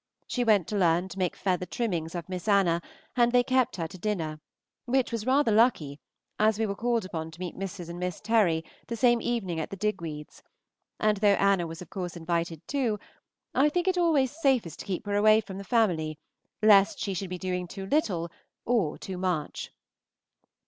She went to learn to make feather trimmings of Miss Anna, and they kept her to dinner, which was rather lucky, as we were called upon to meet Mrs. and Miss Terry the same evening at the Digweeds; and though Anna was of course invited too, I think it always safest to keep her away from the family, lest she should be doing too little or too much.